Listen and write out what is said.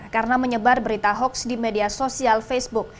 karena menyebar berita hoaks di media sosial facebook